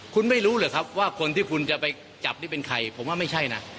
คุณไม่รู้เหรอครับว่าคนที่คุณจะไปจับนี่เป็นใครผมว่าไม่ใช่นะ